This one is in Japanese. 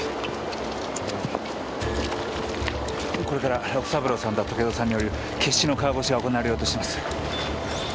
これから六三郎さんと竹蔵さんによる決死の川越しが行われようとしてます。